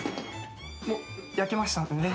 もう焼けましたね。